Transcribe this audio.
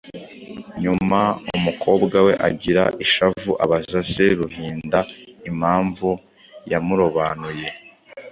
nyuma umukobwa we agira ishavu abaza se Ruhinda impamvu yamurobanuye